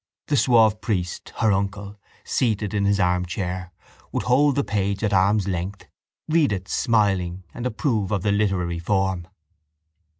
The suave priest, her uncle, seated in his armchair, would hold the page at arm's length, read it smiling and approve of the literary form.